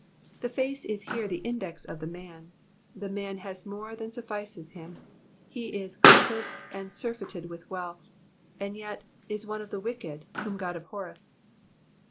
The face is here the index of the man : the man has more than suffices him ; he is glutted and surfeited with wealth, and yet is one of the wicked whom God abhorreth.